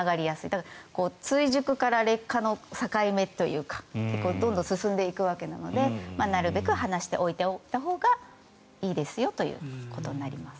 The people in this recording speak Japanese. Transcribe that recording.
だから追熟から劣化の境目というか結構、どんどん進んでいくわけなのでなるべく離して置いておいたほうがいいよとなります。